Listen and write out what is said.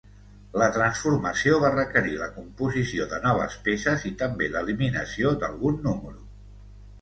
La transformació va requerir la composició de noves peces i també l'eliminació d'algun número.